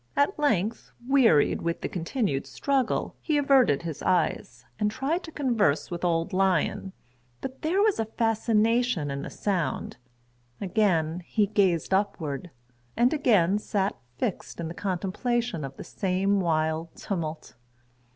At length, wearied with the continued struggle, he averted his eyes, and tried to converse with old Lion; but there was fascination in[Pg 20] the sound; again he gazed upward, and again sat fixed in the contemplation of the same wild tumult.